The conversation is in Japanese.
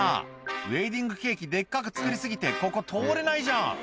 「ウエディングケーキデッカく作り過ぎてここ通れないじゃん」